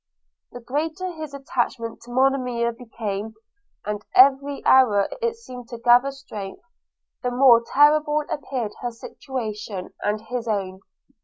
The greater his attachment to Monimia became (and every hour it seemed to gather strength), the more terrible appeared her situation, and his own.